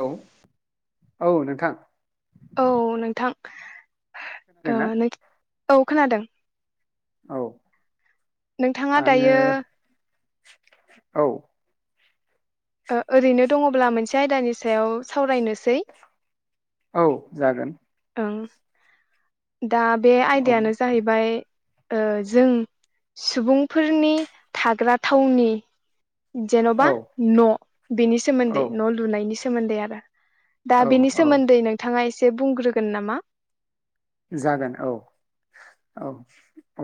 Hello. औ नोंथां। औ नोंथां ओ खोनादोंना नो औ खोनादों। औ। नोंथाङा आङो दायो औ। ओ ओरैनो दङब्ला मोनसे आयदानि सायाव सावरायनोसै औ जागोन। दा बे औ आयदायानो जाहैबाय ओ जों सुबुंफोरनि थाग्रा थावनि जेन'बा औ न' बेनि औ सोमोन्दै न' लुनायनि सोमोन्दै आरो। दा औ बेनि औ सोमोन्दै नोंथाङा एसे बुंग्रोगोन नामा? जागोन औ औ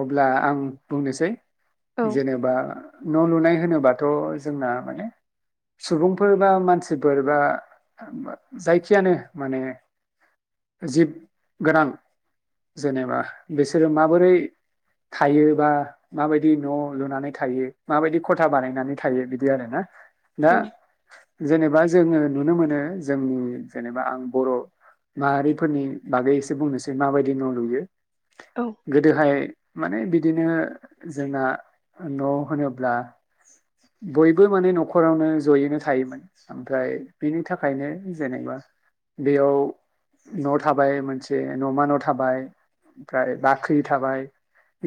अब्ला आं बुंनोसै। औ जेनेबा न' लुनाय होनोबाथ' जोंना माने सुबुंफोर बा मानसिफोर बा जायखियानो माने जिब गोनां जेनेबा बिसोरो माबोरै थायो बा माबायदि न' लुनानै थायो माबायदि ख'था बानायनानै थायो बिदि आरोना। दा औ जेनेबा जोङो नुनो मोनो जोंनि जेनेबा आं बर' माहारिफोरनि बागै एसे बुंनोसै माबायदि न' लुयो। औ गोदोहाय माने बिदिनो जोंना न' होनोब्ला बयबो माने नख'रावनो ज'यैनो थायोमोन। ओमफ्राय बेनि थाखायनो जेनेबा बेयाव न' थाबाय मोनसे न'मा न' थाबाय ओमफ्राय बाख्रि थाबाय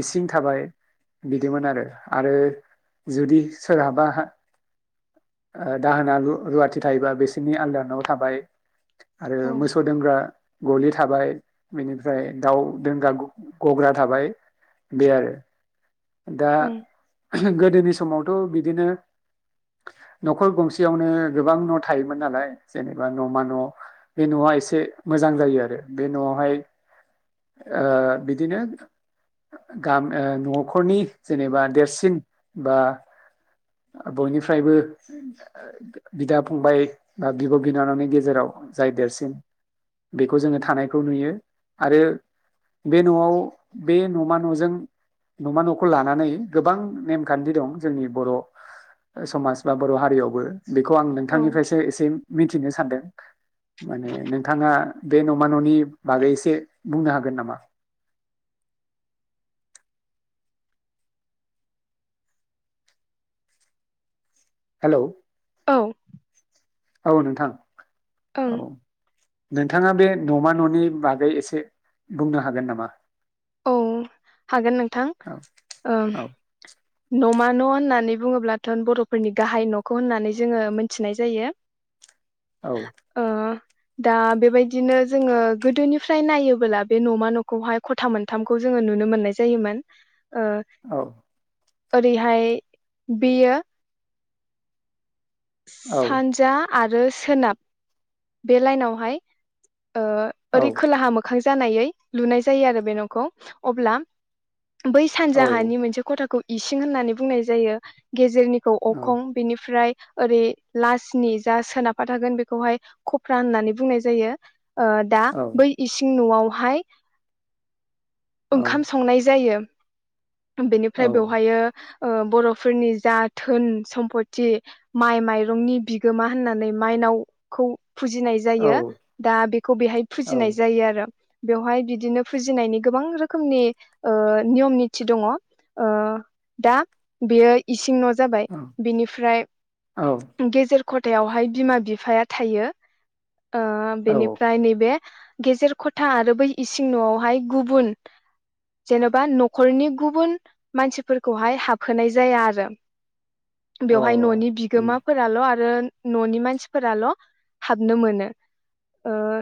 इसिं थाबाय बिदिमोन आरो। आरो जुदि सोरहाबा ओ दाहोना रु-रुवाथि थायोबा बिसोरनि आलदा न' थाबाय। आरो औ मोसौ दोनग्रा गलि थाबाय। बिनिफ्राय दाउ दोंगा गग्रा थाबाय। बेआरो दा ओं गोदोनि समावथ' बिदिनो नख'र गंसेयावनो गोबां न' थायोमोन नालाय जेनेबा न'मा न' बे न'आ खायसे मोजां जायो आरो। बे न'आवहाय ओ बिदिनो गाम ओ नख'रनि जेनेबा देरसिन बा बयनिफ्रायबो बिदा फंबाय बा बिब बिनानावनि गेजेराव जाय देरसिन बेखौ जोंङो थानायखौ नुयो आरो बे न'आव बे नमा नजों नमा नखौ लानानै गोबां नेम-खान्थि दं जोंनि बर' समाज बा बर हारियावबो बेखौ आं औ नोंथांनिफ्रायसो एसे मिथिनो सानदों। माने नोंथाङा बे नमा ननि बागै एसे बुंनो हागोन नामा? हेलौ औ औ नोंथां। ओं औ नोंथाङा बे नमा ननि बागै एसे बुंनो हागोन नामा? औ हागोन नोंथां। औ ओम औ नमा न होननानै बुङोब्लाथ बर'फोरनि गाहाय न'खौ होननानै जोंङो मोनथिनाय जायो। औ ओ दा बेबायदिनो जोंङो गोदोनिफ्राय नायोबोला बे न'मा न'खौहाय ख'था मोनथामखौ जोंङो नुनो मोननाय जायोमोन। ओ औ ओरैहाय बियो औ सानजा आरो सोनाब बे लाइनावहाय ओ औ ओरै खोलाहा मोखां जानायै लुनाय जायो आरो बे न'खौ अब्ला बै औ सानजाहानि मोनसे खथाखौ इसिं होननानै बुंनाय जायो गे जेरनिखौ औ अखं बेनिफ्राय ओरै लासनि जा सोनाबहा थागोन बेखौहाय खफ्रा होननानै बुंनाय जायो। ओ दा औ बै इसिं न'आवहाय औ ओंखाम संनाय जायो। औ बेनिफ्राय बेवहायो ओ बरफोरनि जा धोन-सम्पथि माइ-माइरंनि बिगोमा होननानै माइ नावखौ फुजिनाय औ जायो दा बेखौ बेहाय फुजिनाय जायो आरो बेवहाय बिदिनो फुजिनायनि गोबां रोखोमनि ओ नियम निथि दंङ ओ दा बियो इसिं नजाबाय बेनिफ्राय गेजेर ख'थायावहाय बिमा-बिफाया थायो ओ बेनिफ्राय नैबे गेजेर खथा आरो बै इसिं नआवहाय गुबुन जेनबा नखरनि गुबुन मानसिफोरखौहाय हाबहोनाय जाया आरो औ अ बेवहाय ननि उम बिगोमाफोराल आरो न'नि मानसिफोराल हाबनो मोनो। ओ औ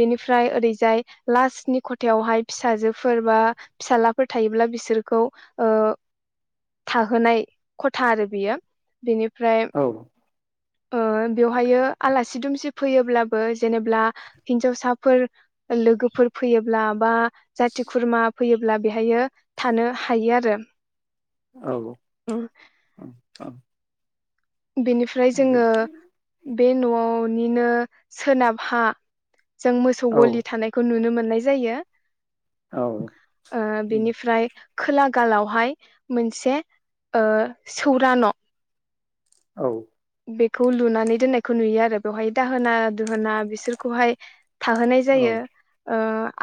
बेनि फ्राय ओरैजाय लासनि खथायावहाय फिसाजोफोर बा फिसालाफोर थायोब्ला बिसोरखौ ओ थाहोनाय खथा आरो बियो। बेनिफ्राय ओ बेवहायो आलासि-दुमसि फैयोब्लाबो जेनेब्ला हिनजावसाफोर लोगोफोर फैयोब्ला बा जाथि-खुरमा फैयोब्ला बेहायो थानो हायो आरो औ ओ औ औ बेनिफ्राय जोंङो बे न'वावनिनो सोनाबहा जों मोसौ गलि थानायखौ नुनो मोननाय जायो। ओ बिनिफ्राय खोलागालावहाय मोनसे ओ सौरान औ बेखौ लुनानै दोननायखौ नुयो आरो बेवहाय दाहोना दुहोना बिसोरखौहाय थाहोनाय जायो ओ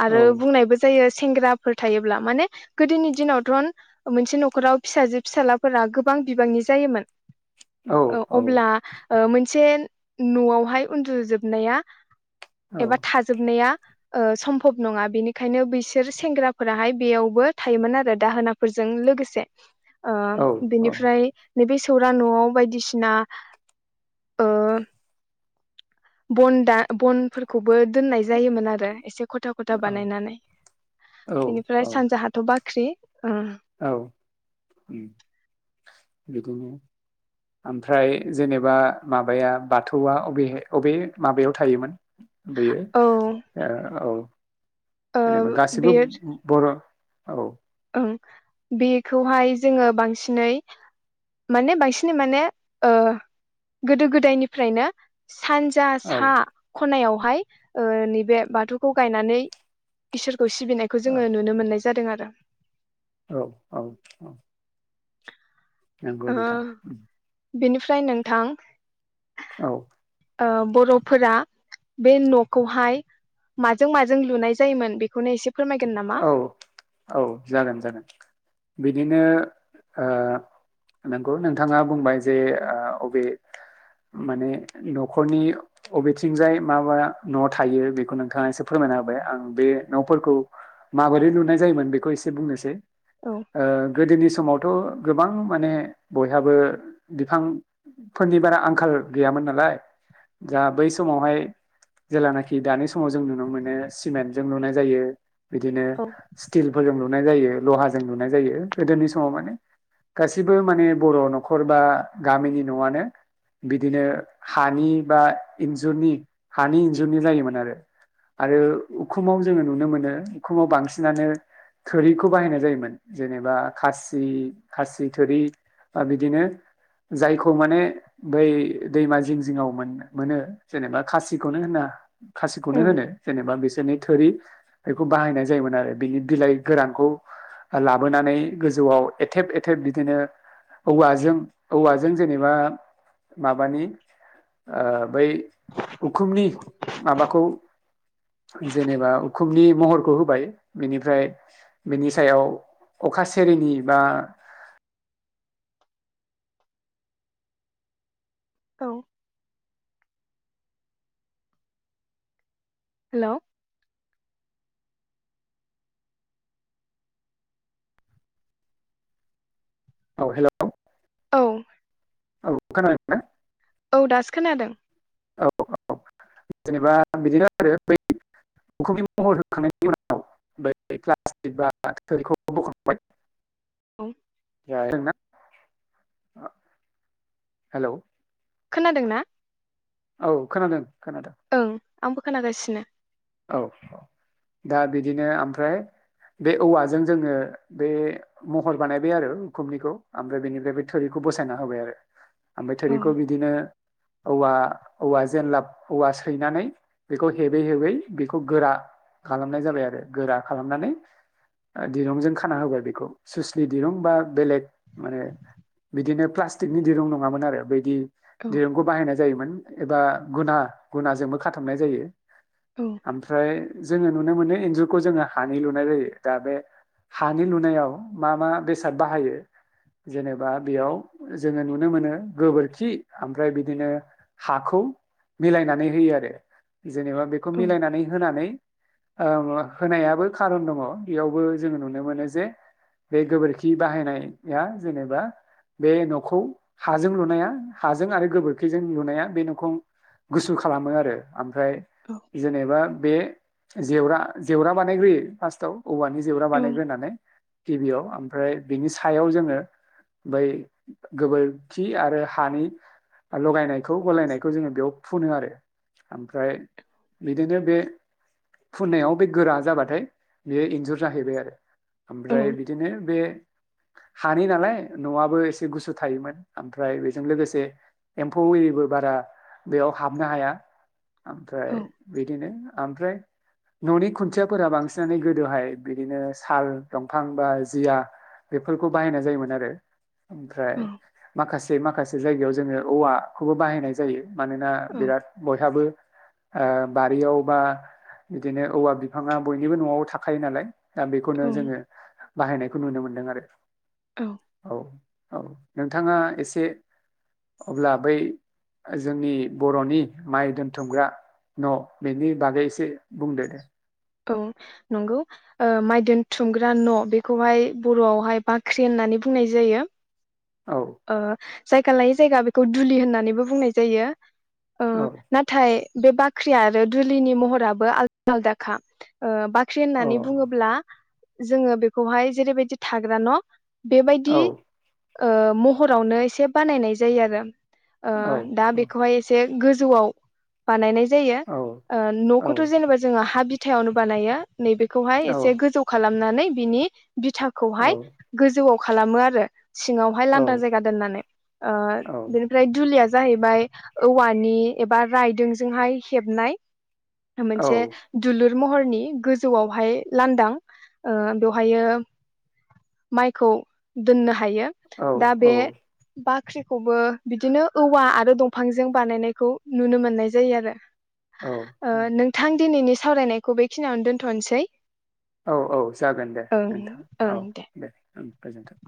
आरो बुंनायबो जायो सेंग्राफोर थायोब्ला माने गोदोनि दिनावथ मोनसे न'खराव फिसाजो फिसालाफोरा गोबां बिबांनि जायोमोन। औ। ओ अब्ला ओ मोनसे न'आवहाय उन्दुजोबनाया एबा थाजोबनाया ओ सम्भब नङा बिनिखायनो बैसोर सेंग्राफोराहाय बेयावबो थायोमोन आरो दाहोनाफोरजों लोगोसे ओ बेनिफ्राय नैबे सौरा न'आव बायदिसिना [inaudible] ओ बन दा बनफोरखौबो दोननाय जायोमोन आरो एसे खथा खथा बानायनानै बेनिफ्राय औ सानजाहाथ' बा औ ओम बिदिनो ओमफ्राय जेनेबा माबाया बाथौआ अबे अबे माबायाव थायोमोन? बेयो औ औ ओ जेनेबा गासिबो बेयो बर' औ बेखौहाय जोङो बांसिनै माने बांसिनै माने ओ गोदो गोदायनिफ्रायनो सानजा औ सा खनायाव हाय ओ नैबे बाथौखौ गायनानै इसोरखौ सिबिनायखौ जोङो नुनो मोननाय जा जादों आरो औ औ औ नंगौ ओ नोंथां बेनिफ्राय नोंथां औ ओ बर'फोरा बे न'खौहाय माजों माजों लुनाय जायोमोन बेखौनो एसे फोरमायगोन नामा? औ औ जागोन जागोन बिदिनो ओ नंगौ नोंथाङा बुंबाय जे अबे माने न'खरनि अबेथिंजाय मा मा न' थायो बेखौ नोंथाङा एसे फोर मायना होबाय आं बे न'फोरखौ माबोरै लुनाय जायोमोन बेखौ एसे बुंनोसै औ ओ गोदोनि समावथ' गोबां माने बयहाबो बिफां फोरनि बारा आंखाल गैयामोन नालाय दा बै समावहाय जेलानाखि दानि समाव जों नुनो मोनो सिमेन्टजों लुनाय जायो बिदिनो स्टिल फोरजों लुनाय जायो लहाजों लुनाय जायो गोदोनि समाव माने गासिबो माने बर' न'खर बा गामिनि न'आनो बिदिनो हानि बा इन्जुरनि हानि इन्जुरनि जायोमोन आरो आरो उखुमाव जोङो नुनो मोनो उखुमाव बांसिनानो थोरिखौ बाहायनाय जायोमोन जेनेबा खासि खासि थोरि आ बिदिनो जायखौ माने बै दैमा जिं जिङाव मोनो जेनेबा खासिखौनो होनना खासिखौनो उम होनो जेनेबा बिसोरनि थोरि खौ बाहायनाय जायोमोन आरो बिनि बिलाइ गोरानखौ लाबोनानै गोजौआव एथेब एथेब बिदिनो औवाजों औवाजों जेनेबा माबानि ओ बै उखुमनि माबाखौ जेनेबा उखुमनि महरखौ होबाय बेनिफ्राय बिनि सायाव अखा सेरेनि बा [inaudible] औ हेल' औ हेल' औ औ खोनादों ना? औ दासो खोनादों। औ औ जेनेबा बिदिनो आरो बै मखुमि महर होखांनायनि उनाव [unintelligible] औ [unintelligible] हेलौ खोनादों ना? औ खोनादों खोनादों ओं आंबो खोनागासिनो औ औ दा बिदिनो ओमफ्राय‌ बे औवाजों जोङो बे महर बानायबाय आरो उखुमनिखौ ओमफ्राय बेनिफ्राय बे थोरिखौ बसायना होबाय आरो ओमफ्राय औ थोरिखौ बिदिनो औवा औवा जेनलाब औवा सैनानै बेखौ हेबै हेबै बेखौ गोरा खालामनाय जाबाय आरो गोरा खालामनानै दिरुंजों खाना होबाय बेखौ सुसलि दिरुं बा बेलेग माने बिदिनो प्लास्टिकनि दिरुं नङामोन आरो बैदि औ दिरुंखौ बाहायनाय जायोमोन एबा गुना गुनाजोंबो खाथाबनाय जायो। औ ओमफ्राय जोङो नुनो मोनो इन्जुरखौ जोङो हानि लुनाय जायो दा बे हानि लुनायाव मा मा बेसाद बाहायो‌ जेनेबा बेयाव जोङो नुनो मोनो गोबोरखि ओमफ्राय बिदिनो हाखौ मिलायनानै होयो आरो जेनेबा बेखौ औ मिलायनानै होनानै ओ होनायाबो खारन दङ बेयावबो जोङो नुनो मोनो जे बे गोबोरखि बाहायनाया जेनेबा बे न'खौ हाजों लुनाया हाजों आरो गोबोरखिजों लुनाया बे न'खौ गुसु खालामो आरो ओमफ्राय औ जेनेबा बे जेवरा जेवरा बानायग्रोयो फार्स्टआव औवानि जेवरा औ बानायग्रोनानै गिबियाव ओमफ्राय बिनि सायाव जोङो‌ बै गोबोरखि आरो हानि लगायनाय खौ गलायनायखौ जोङो बेयाव फुनो आरो ओमफ्राय बिदिनो बे फुननायाव बे गोरा जाबाथाय बे एन्जुर जाहैबाय आरो ओमफ्राय बिदिनो बे हानि नालाय न'आबो एसे गुसु थायोमोन ओमफ्राय बेजों लोगोसे एम्फौ एरिबो बारा बेयाव हाबनो हाया ओमफ्राय‌ बिदिनो ओमफ्राय‌ न'नि खुन्थियाफोरा बांसिनानो गोदोहाय बिदिनो साल दंफां बा जिया बेफोरखौ बाहायनाय जायोमोन आरो। ओमफ्राय माखासे माखासे जायगायाव जोङो औवाखौबो बाहायनाय जायो। मानोना औ बिराद बयहाबो ओ बारियाव बा बिदिनो औवा बिफाङा बयनिबो न'आव थाखायो नालाय दा बेखौनो औ जोङो बाहायनायखौ नुनो मोनदों आरो औ औ नोंथाङा एसे अब्ला बै जोंनि बर'नि माइ दोनथुमग्रा न' बेनि बागै एसे बुंदो दे औ नंगौ ओ माइदोनथुमग्रा न' बेखौहाय बर'आवहाय बाख्रि होनना नै बुंनाय जायो। औ ओ जायगा लायै जायगा बेखौ दुलि होननानैबो बुंनाय जायो। औ नाथाय बे बाख्रि आरो दुलिनि महराबो आलदा आलदाखा ओ बा फाख्रि औ होननानै बुङोब्ला जोङो बेखौहाय जेरैबायदि थाग्रा न' बेबायदि औ ओ महरावनो एसे बानायनाय जायो आरो ओ औ दा बेखौहाय एसे गोजौआव बानायनाय जायो औ औ न'खौथ' जेनेबा जोङो हा बिथायावनो बानायो नैबेखौहाय एसे गोजौ खालामनानै बिनि बिथाखौहाय गोजौआव खालामो आरो सिङावहाय औ लांदां जायगा दोननानै ओ बिनिफ्राय दुलिया जाहैबाय औवानि एबा रायदोंजोंहाय हेबनाय औ मोनसे दुलुर महरनि गोजौआवहाय लांदां ओ बेवहायो माइखौ दोननो हायो औ दा औ बे बाख्रिखौबो बिदिनो औवा आरो दंफांजों बानायनायखौ नुनो मोननाय जायो आरो औ ओ नोंथां दिनैनि सावरायनायखौ बेखिनियावनो दोन्थ'नोसै औ औ जागोन दे नोंथां औ दे ओं गोजोनथों